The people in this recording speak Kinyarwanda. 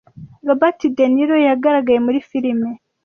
Robert Deniro yagaragaye muri firime.